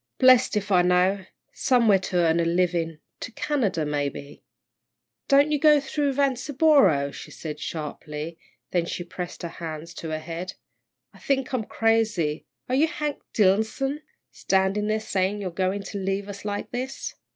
"Blest if I know somewhere to earn a living, to Canada, maybe." "Don't you go through Vanceboro," she said, sharply, then she pressed her hands to her head. "I think I'm crazy are you Hank Dillson, standin' there sayin' you're goin' to leave us like this?"